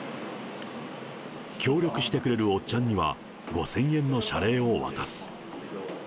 協力してくれるおっちゃんには、５０００円の謝礼を渡す。